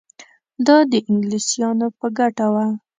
دا د انګلیسیانو په ګټه وه.